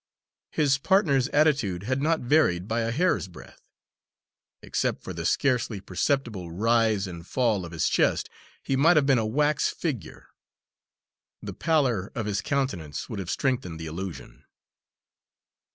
His partner's attitude had not varied by a hair's breadth; except for the scarcely perceptible rise and fall of his chest he might have been a wax figure. The pallor of his countenance would have strengthened the illusion.